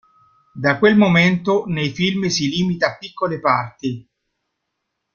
Da quel momento nei film si limita a piccole parti.